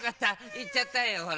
いっちゃったよほら。